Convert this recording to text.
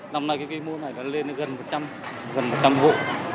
năm nay cái cây mô này nó lên đến gần một trăm linh hộ